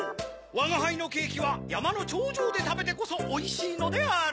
わがはいのケキはやまのちょうじょうでたべてこそおいしいのである。